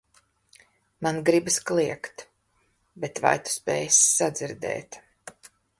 ... man gribas kliegt, bet vai tu spēsi sadzirdēt...